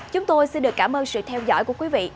chúng tôi xin được cảm ơn sự theo dõi của quý vị